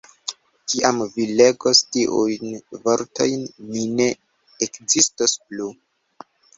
Kiam vi legos tiujn vortojn, mi ne ekzistos plu.